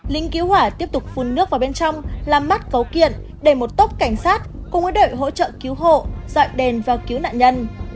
linh cứu hỏa tiếp tục phun nước vào bên trong làm mắt cấu kiện đẩy một tốc cảnh sát cùng với đội hỗ trợ cứu hộ dọa đèn và cứu nạn nhân